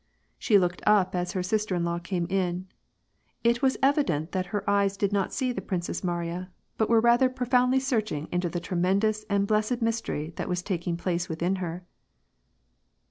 She looked up as her sister in law came in. It was en dent that her eyes did not see the Princess Mariya, but were rather profoundly searching into the tremendous and blessed mystery that was taking place within her.